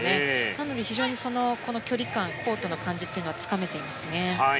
なので非常に距離感コートの感じをつかめていますね。